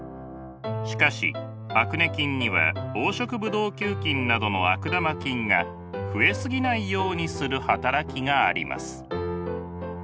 しかしアクネ菌には黄色ブドウ球菌などの悪玉菌が増え過ぎないようにする働きがあります。